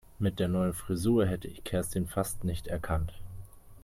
Mit der neuen Frisur hätte ich Kerstin fast nicht erkannt.